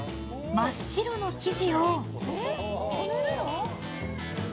真っ白の生地を。